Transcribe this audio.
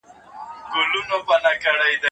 کتاب د زده کوونکي له خوا ليکل کيږي؟!